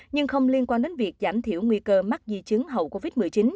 nhưng không liên quan đến việc giảm thiểu nguy cơ mắc di chứng hậu covid một mươi chín